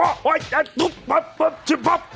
โอ้ยอ่ะทุ๊บปั๊บปั๊บทุ๊บปั๊บ